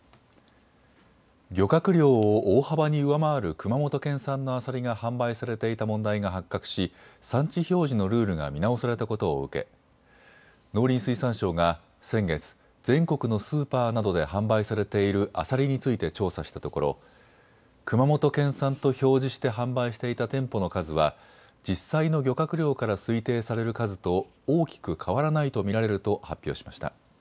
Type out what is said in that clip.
漁獲量を大幅に上回る熊本県産のアサリが販売されていた問題が発覚し産地表示のルールが見直されたことを受け、農林水産省が先月、全国のスーパーなどで販売されているアサリについて調査したところ熊本県産と表示して販売していた店舗の数は実際の漁獲量から推定される数と大きく変わらないと見られると発表しました。